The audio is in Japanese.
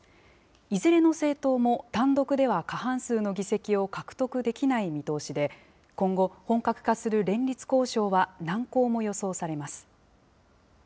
いずれの政党も単独では過半数の議席を獲得できない見通しで、今後、本格化する連立交渉は難航も予想されます。